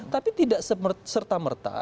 tapi tidak serta merta